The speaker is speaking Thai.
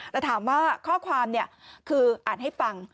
แล้วถามว่าข้อความเนี่ยคืออ่านให้ฟัง